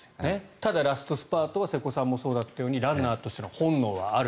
ただ、ラストスパートは瀬古さんもそうだったようにランナーとしての本能はある。